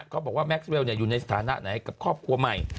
บอกว่าแม็กซ์เรลอยู่ในสถานะไหนกับครอบครัวใหม่